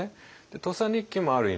「土佐日記」もある意味